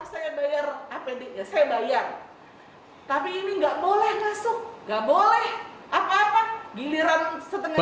saya bayar tapi ini nggak boleh masuk nggak boleh apa apa giliran setengah